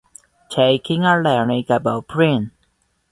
Thinking and learning about print.